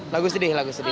lagu sedih lagu sedih